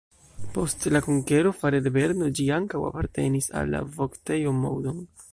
Post la konkero fare de Berno ĝi ankaŭ apartenis al la Voktejo Moudon.